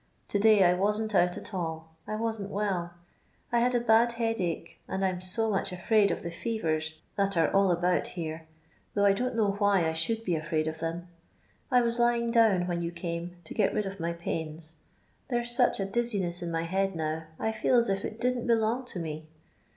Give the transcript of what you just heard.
To day I wasn't out at all; I wasn't well; I had a bad headache, and 1 'm so much afraid of the fevers that are all aboit LONDON LABOUR AND THE LONDON ^OOR. 145 here — though I don't know why I ihould be afnid of them — I was lying down, when you came, to get rid of my paint. There 'r such a diz lineu in my head now, I feel as If it didn't belong to me.